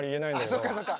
ああそっかそっか。